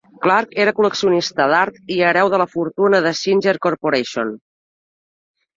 Clark era col·leccionista d'art i hereu de la fortuna de Singer Corporation.